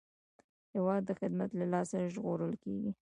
هېواد د خدمت له لاسه ژغورل کېږي.